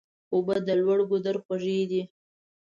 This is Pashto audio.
اوبه د لوړ ګودر خوږې دي.